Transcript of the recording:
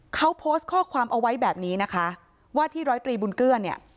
เขาโพสต์ข้อความเอาไว้แบบนี้นะคะว่าที่ร้อยตรีบุญเกื้อเนี่ย